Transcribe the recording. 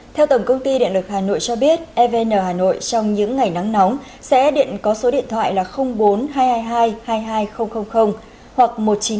theo tổng công ty điện lực hà nội cho biết evn hà nội trong những ngày nắng nóng sẽ điện có số điện thoại là bốn hai trăm hai mươi hai hai mươi hai nghìn hoặc một nghìn chín trăm linh một nghìn hai trăm tám mươi tám